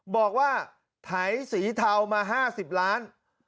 บอกว่าไถสีเทามา๕๐ล้าน